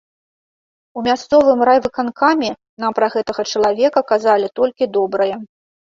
У мясцовым райвыканкаме нам пра гэтага чалавека казалі толькі добрае.